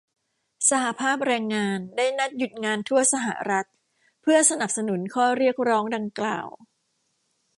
สหภาพแรงงานได้นัดหยุดงานทั่วสหรัฐ เพื่อสนับสนุนข้อเรียกร้องดังกล่าว